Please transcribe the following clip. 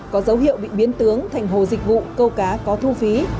có dấu hiệu bị biến tướng thành hồ dịch vụ câu cá có thu phí